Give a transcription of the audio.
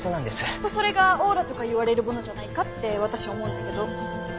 きっとそれがオーラとか言われるものじゃないかって私は思うんだけど。